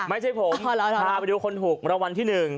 ไม่ใช่ผมพาไปดูคนถูกรางวัลที่๑